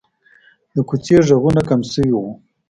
د کوڅې غږونه کم شوي وو.